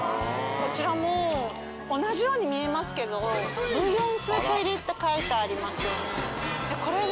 こちらも同じように見えますけどブイヨンスープ入りって書いてありますよね。